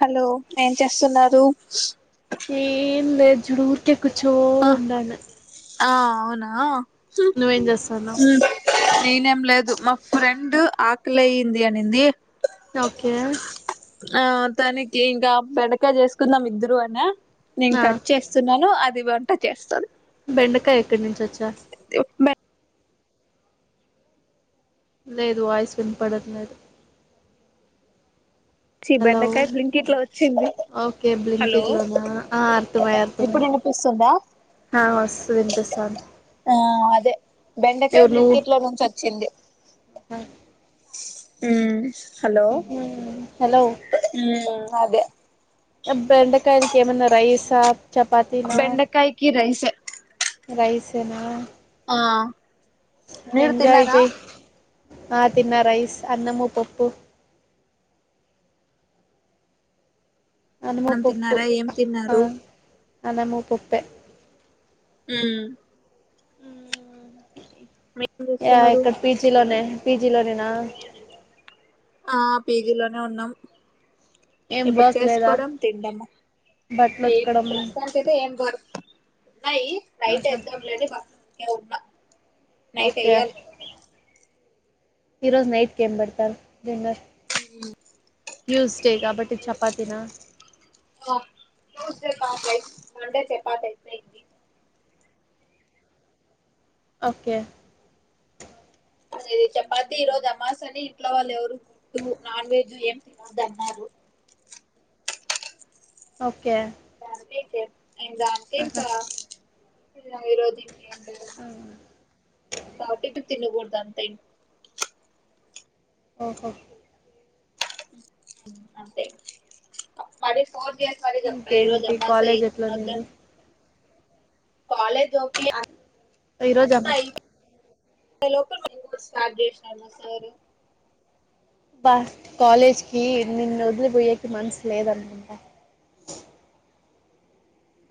Hello ఏం చేస్తున్నారు ఏం లే జూ ఊరికే కూర్చొని ఆ ఉండానా ఆ అవునా ఉ నువ్వేం చేస్తాన్నావ్ నేనేం లేదు మా ఫ్రెండ్ ఆకలి అయింది అనింది ఓకే ఆ తననికి ఇంకా బెడకా చేసుకుందాం ఇద్దరు అనా నేను ఆ కట్ చేస్తా స్తున్నాను అది వంట చేస్తుంది బెండకాయ ఎక్కడి నుంచి వచ్చా ఉప్ మెట్ లేదు వాయిస్ వినపడట్ లేదు సి హలో బెండకాయ బ్లీంక్ ఇట్ లో వచ్చింది ఓకే హలో బ్లింకిట్ లోనా ఆ అర్థమయ ఇప్పుడు అర్థమయ ఇస్తుందా ఆ వస్తు వినిపిస్తాంది ఆ అదే బెండకాయ ఎవరు నువ్వు బ్లింకెట్ లో నుంచి వచ్చింది ఉ హలో హలో అదే బెండకాయలకి ఏమనా రైసా చపాతీనా కీ రైస రైసేన ఆ మీరు ఎంజాయ్ తిన్నారా చెయ్ హ తిన్న రైస్ అన్నమూ పప్పు మనం అనుమపప్పు తిన్నారా ఏం తిన్నారు అనుముప్పప్పే ఉ ఏం యా చేస్తున్నారు ఇక్కడ పీజీలోనే పీజీ లోనేనా ఆ పేజీలోనే ఉన్నాం ఏం ఇప్పుడు వర్క్ లేదా చేసుకోవడం తిండము బట్టలు ఏ ఉతకడం ప్రసాద్ తే ఏం బర్ ఉన్నాయి రైట్ ఆహా ఎగ్జామ్లని బర్ ఉన్నా నైట్ ఓకే ఎయ్యాలి ఈరోజు నైట్ కి ఏం పెడతారు డిన్నర్ ట్యూస్డేగాబట్టి చపాతీనా ట్యూస్డే బా రైస్ మండే చపాతి ఓకే అదేది చపాతి ఈ రోజు అమాస్ అని ఇంట్లో వాళ్ళు ఎవరు గుడ్ నాన్ వెజ్ ఏం తినొద్ అన్నారు ఓకే జతేక న ఆహా జతేంకా ఈరోద్ ఆ, టి తినబూడద అంతేం ఓహో అంతే మరి ఫోన్ చేయకు మని ఈరోజు ఇంకేంటి అమాస కాలేజ్ ఎం తినొద్దాం ఎట్లుండింది కాలేజ్ గౌతీ ఈరోజు అంత అమ్మ అయి అంతే లోపల్ మనకు స్టార్ట్ చేసాము సార్ బా కాలేజ్ కి నిన్ను వదిలిపోయేకి మనసు లేదనమాంట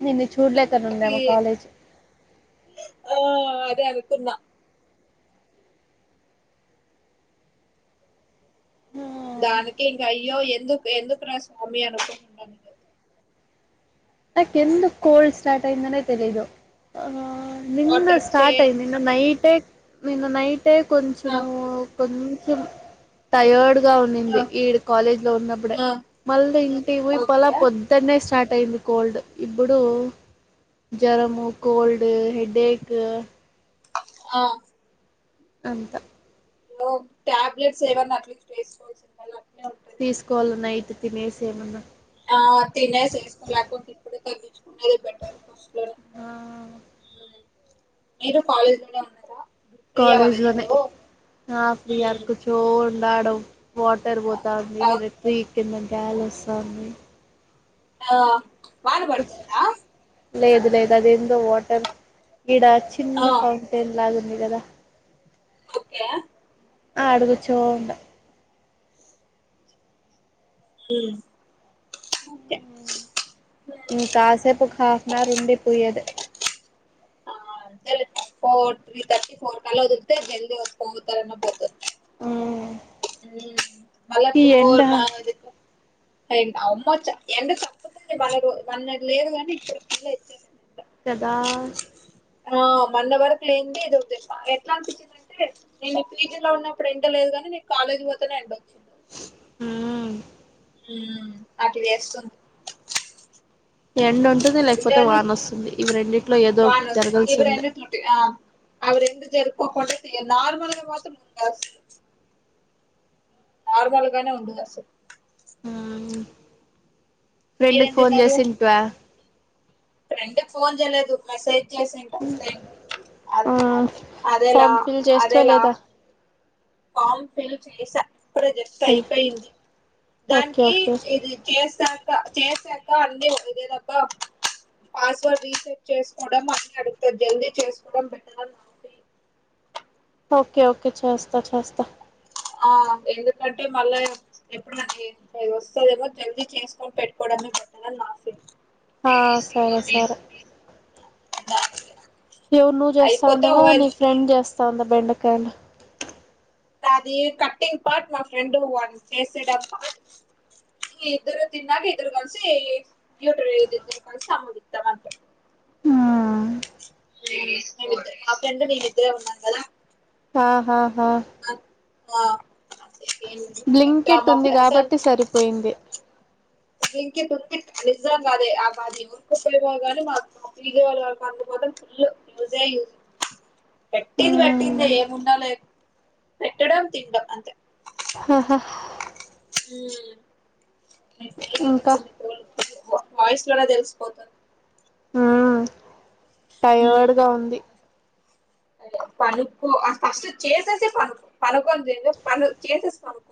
నిన్ను చూడలేక పత్లియే ఆ అదే అనుకున్నా హ్మ్. దానికి ఇంక అయ్యో ఎందుకు ఎందుకు రా స్వామి అనుకున్నాం నాకెందు కోల్డ్ స్టార్ట్ అయిందనే తెలిదు ఆ నిన్న వాటర్ స్టార్ట్ అయింది చేంజ్ నిన్న నైటే నిన్న నైటే ఆ కొంచెము కొంచెం టైయర్డ్ గా ఉండుంది ఆ ఇడ కాలేజ్ లో ఉన్నప్పుడే ఆ మళ్ళీ ఇంటికి పోయి ఓకే పొలా పొద్దు పొద్దునే స్టార్ట్ అయింది కోల్డ్, ఇప్పుడు జ్వరము కోల్డ్ హెడేక్ ఇంకా ఆ అంత ఓహ్ టాబ్లెట్స్ ఏవన్నా అట్లా వేసుకోవాల్సిన అట్లనే ఉంది తీసుకోవాల నైట్ తినేసి ఏమన్నా ఆ తినేసి వేసుకోలేకుండా ఇప్పుడే తగ్గించుకునేది బెటర్ మ్ ఆ మీరు కాలేజ్లోనే ఉన్నారా? ఫ్రీ అవ్వాలి కాలేజ్ లోనే ఇప్పుడు ఆ ఫ్రీయర్కోచ్చు రోడ్ ఆడోన్ వాటర్ పోతాంది ఆ రెడ్ ట్రీ కింద గ్యాలెట్స్ అన్ని. ఆ వాన పడుతుందా? లేదు లేదు అది ఎందో వాటర్ గిడ ఆ చిన్న ఫౌంటైన్ లాగా ఉంది కదా ఓకే ఆ ఆ అడుగు చోండ మ్ ఒకే ఇంకా కాసేపు ఒక హాఫ్ అన్ అవర్ ఉండి పోయేదే ఆ ఫోర్ త్రీ థర్టీ ఫోర్ కల వదల్తే జల్ది వస్తకోతార పోత ఆ మళ్ళ ఫోర్ మాది అమ్మచ్చ ఎండ తప్పతుండి మన లేదు కానీ ఇప్పుడు పిల్ ఇచ్చ కదా ఆ మన వరకు లేనింది ఏద ఎట్లాంటి అంటే నేను పి. జీ లో ఉన్నప్పుడు ఎండ లేదు కాని నీకు కాలేజీ పోతేనే ఎండ వచింది ఆ మ్ అట్లా వేస్తుంది ఎండ ఉంటుంది లేకపోతే సర్లేని వాన వస్తుంది ఇవి రెండిట్లో ఏదో వాన ఒక ఇవి జరగాల్సిందే రెండిట్లుంటాయి ఆ అవి రెండు జర్కోకుండా నార్మలగా మాత్రం ఎక్స్ నార్మల్ గానే ఉండదు అసలు ఫ్రెండ్ కి మీరేం ఫోన్ తిన్నారు చేసిందా ఫ్రెండ్ కి ఫోన్ చెలేదు మెసేజ్ చేసి ఉంటా ఆ అదేలా ఫామ్ ఫిల్ చేస్తివా అదేలా లేదా ఫోమ్ ఫిల్ చేశా ఇప్పుడే జక్ట్ అయిపోయింది, ఓకే దానికి ఓకే ఇది చేస్తా ఇంకా చేస్సక్కా అన్ని ఇదేదబ్బ పాస్వర్డ్ రీసెట్ చేసుకోవడం అని అడుతుంది జల్దీ చేసుకోవడం బెటర్ అ ఓకే ఓకే చేస్తా చేస్తా ఆ ఎందుకంటే మళ్ళా ఎప్పుడు అ వస్తుందేమో జల్దీ చేసుకొని పెట్టుకోవడమే బెటర్ అని నా ఫీలిం ఆ సరే సరే [inaudible] ఎవరు నువ్వు చేస్తా అయిపోతే ఉండవా ఓవైల్ నీ ఫ్రెండ్ చేస్తాందా బెండకాయలు అది కటింగ్ పార్ట్ మా ఫ్రెండ్ అది చేసేటప్పుడు ఇద్దరు తినక ఇద్దరు కలిసి ఎయి ఇ ఇద్దరు కలిసి అమ్మకి ఇతా అంటారు మా ఫ్రెండు మేమిద్దరే ఉన్నాం కదా ఆహాహా ఆ అంతే ఏం లేదు ఇంకా బ్లింకెట్ మా ఉంది ఫ్రెండ్స్ కాబట్టి సరిపోయింది బ్లింకిట్ ఉంటుంది నిజం అదే ఆ బాధ్య ఇంకు ఉపయోగగానే మాకు ఇగో వల్ల కాకపోతే ఫుల్ యూజే యూస్ పెట్టింది పెట్టింది ఏముండ లే పెట్టడం తినడం అంతే ఆహా మీరు తెలివైన ఇంకా వారు మీ వాయిస్ లోనే తెలిసిపోతాను ఉమ్ టయర్డ్ గా ఉంది పనుకో ఫస్ట్ చేసేసి పను పనుకుంది ఏంటో పను చేసేసి పనుకో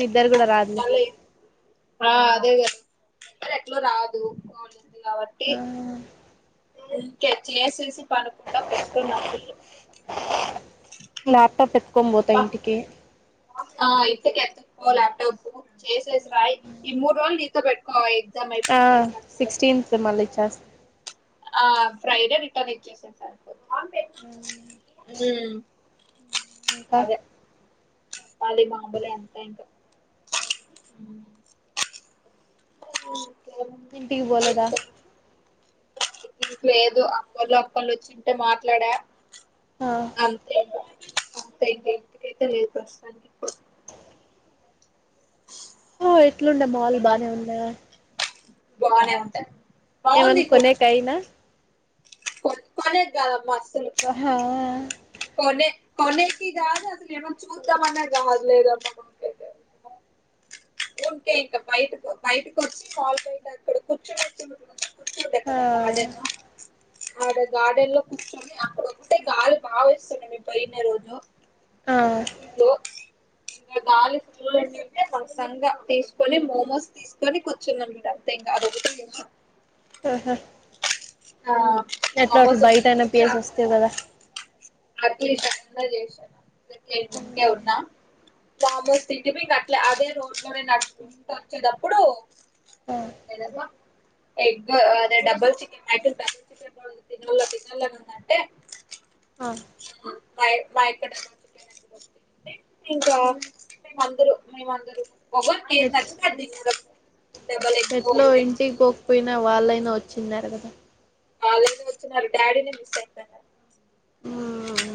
నిదర కూడా రాదులే మళ్ళీ ఆ అదే కదా ఎట్లా రాదు కాబట్టి ఇంకే చేసేసి పనుకుంటము బెస్ట్ నాకు లాప్టాప్ ఎత్తుకొని పోతా ఇంటికి ఆ అయితే కెప్టెన్ ఓ ల్యాప్టాప్ చేసేసిరాయి ఈ మూడు రోలు నీతో పెట్టుకో ఎగ్జామ్ అయి ఆ సిక్స్టీన్త్కి మళ్ళీ ఇచెస్తా ఆ ఫ్రైడే రిటర్న్ ఎక్కేసే సరిపొద్ది ఉమ్ ఇంకా అదే మళ్ళీ మామూలే అంత ఇంకా ఉమ్ ఉ ఇంటికి బోలేద లేదు అమ్మోళ్ళు అక్కోళ్ళు వచ్చింటే మాట్లాడా ఆ అంతే ఇంక అంతే ఇగ ఇంటికైతే లేదు ప్రస్తుతానికి ఇప్పుడు ఆ ఎట్లుండే మాల్ కదా బానే ఉంద బానే ఉంటయి ఏమనుకునే కైనా కొట్టుకొనేది కాదమ్మా అసలు అహా కొనే కొనేసి దాక అసలు ఏమన్నా చూద్దామనేది కాదు లేదు అమ్మ మాకీ ఉకే ఇంకా బయట బయటకు వచ్చి కాల్ బయట అక్కడ కూర్చొని వస్తు కూర్చుంటే కదా గార్డెన్ ఆ అ గార్డెన్ లో కూర్చు అక్కడ ఒక్కటే గాలి బాగా విస్తుండే మీ పోయిండే రోజు ఆ స్కూ ఇంకా గా స్కూ ఏంటంటే నింగా తీసుకొని మోమోస్ తీసుకొని కూర్చున్న మెడ అంతే ఇంకా అదొకటి ఆహా ఆ ఎట్లో అట్లా మోమోస్ ఉంటేనే బయటయినా ఇంకా పేసి వస్తె కదా అట్లీస్ట్ అదన్న చేశా అందుకే ముందె ఉన్నా వామ్మో [unintelligible] అట్లా అదే రోడ్ ల నేన్ నడుచుకుంటా వచ్చేటప్పుడు ఆ ఎగ్ అదే డబల్ చికెన్ ఎగ్ [unintelligible] తినల తినల అని ఉందంటే ఆ ఉ పై మా యక్కడ మర్చిపోయిన చూడు అ ఇంకా మేమందరూ మేమందరూ ఒకేరు కి ఏది ఎట్ నచ్చతే అది తీసుకురా డబల్ ఎగ్ ఒకరు ఎగ్ పోయినా వాళ్ళైనా వచ్చినారు కదా అలానే వచ్చినారు డాడీని మిస్ ఐతన్న ఊమ్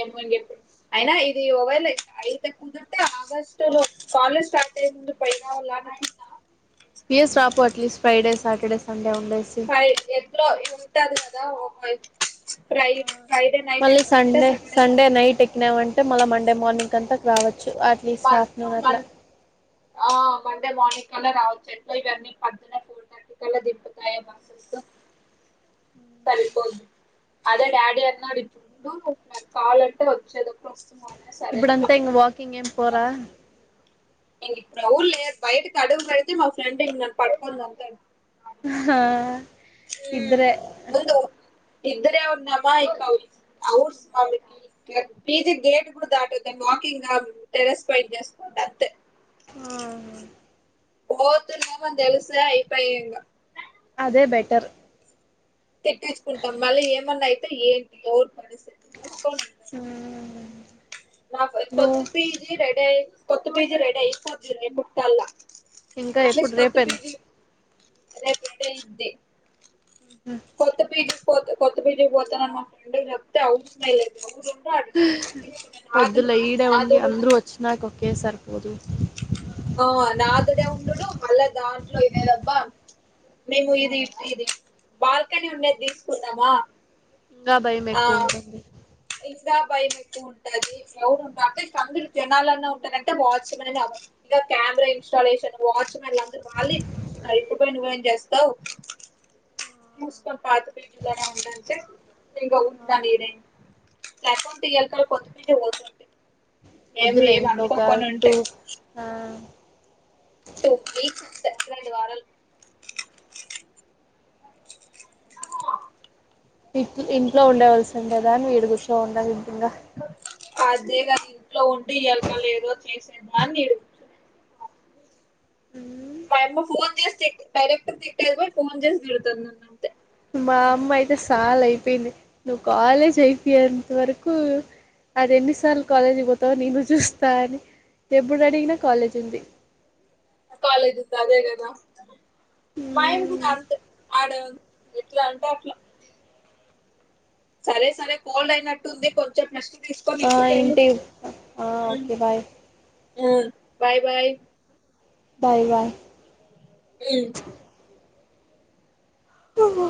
ఏమో ఇంగ ఎప్పుడు అయినా ఇది ఓవైల ఐతే అప్ ఎందుంటే ఆగస్టు లో కాలేజ్ స్టార్ట్ అయ్యే ముందు పై రావాల అని అడిగి పీస్ రాపో అట్లీస్ట్ ఫ్రైడే సాటర్డే సండే ఉండేసి ఫ్రై ఎట్లో ఇగ ఉంటాది కదా ఒక పై స్ప్రైట్ మళ్ళీ సండే సండే నైట్ కినావంటే మళ్ళీ మండే మార్నింగ్ అంతకు రావచ్చు అట్లీస్ట్ మన్ ఆఫ్ అన్ అవర్ ల మన్ ఆ మండే మార్నింగ్ కలా రావచ్చు ఎట్లా ఇవన్నీ పద్ టికాల దిబ్బతాయ బసస్ సరిపోది అదే డాడీ అన్నాడు ఇప్పుడు కావలంటే వచ్చేది ఒకరు వస్తు ఇప్పుడు అంతా ఇంగ వాకింగ్ అంత ఏం పోరా ఇంగ ఇప్పుడు ఓవుల్ లేరు బయటకి అడుగు పెడితే మా ఫ్రెండ్ ఇగ్ నన్ను పట్టుకొని తంతాడు హా ఊ ముందు ఇద్దరే వున్నాము ఇంకా అవర్స్ ఔర్స్ కాలేదు పీజీ గేట్ కూడా దాటద్దు వాకింగ్ టెరెస్ పైట్ చేసుకుంట అంతే ఆహా పోతున్నమని తెలుస్తె అయిపయి ఇంగ అదే బెటర్ తిట్టేసుకుంటాం మళ్ళీ ఏమన్నా అయితే ఏంటి ఎవరి పరిస్థితి అనుకోని ఊహు నా కది కొత్త పీజి రెడయి కొత్త పీజి రెడయి పోతది రేపటి కలా ఇంకా ఎట్లీస్ ఎప్పుడు కొత్త రేపేనా పీజీ రేపు రెడయిద్ది కొత్త పిజి కొత్త కొత్త పీజీకి పోత నన్న మా ఫ్రెండ్ చెప్తే అవసరం మె లేదు ఎవర్ ఉంటే ఆడ [unintelligible] ఒద్దులే ఈడే ఉండి అందరు వచ్చినాక ఒకేసారి పోదువు ఆ నాదడే ఉండుడు మళ్ళా దాంట్లో ఇదేదబ్బ మేము ఇది ఇది బాల్కనీ ఉండేది తీసుకునామా ఇంకా భయం ఎక్కువ ఉంటుంది ఇంకా భయం ఎక్కువ ఉంటాది అసల్ ఎవరు ఉంటరు అంటే [unintelligible] జనాలన ఉంటారు అంటే వాచ్ మెన్ ఆవలి ఇగా కెమెరా ఇన్స్టాలేషన్ వాచ్మెన్ ల అందరు వాళ్ళి ఇప్పుడు వస్తున్నారు ఇప్పుడు పోయి నువేం చేస్తావు చూసుకొని పాత పీజలనే ఉండంటే ఇంకా ఉండ నేనేం లేకుంటే ఈ యాలకల్లా కొత్త పింటికి పోతుం వద్దులే ఇంకొక ఉంటే టూ ఆ టు వీక్ సచ్చి రెండు వారాలు ఇ ఇంట్లో ఉండవలసిండే దానివి ఈడ కూర్చుని ఉండావు ఎంటి ఇంగా అదేగా ఇంట్లో ఉంటే ఇయ్యాల కల్లా ఏదో చేసే దాన్ని ఈడ కూర్చున్న మాయమ్మ ఫోన్ చేసి తిట్ డైరెక్ట్ తిట్టేది పోయి ఫోన్ చేసి తిడుతుంది నన్ను అంతే మా అమ్మ అయితే సాలైపోయింది నువ్వు కాలేజ్ అయిపోయేంత వరకు అది ఎన్నిసార్లు కాలేజ్‌కి పోతావు నేను చూస్తా అని ఎప్పుడు అడిగినా కాలేజ్ ఉంది ఆ కాలేజ్ ఉంది అదే గదా మా యమ్మ కూడా అంతే ఆడు ఎట్లా అంటే అట్లా సరే సరే కోల్డ్ అయినట్టుంది కొంసేపు రెస్ట్ తీసుకొని ఆ ఇంటికెళ్ళు ఏంటి ఆ ఓకే బాయ్ ఉమ్మ్ బాయ్ బాయ్ బాయ్ బాయ్ ఉమ్మ్ ఆహా